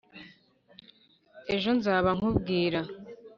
ejo nzaba nkubwira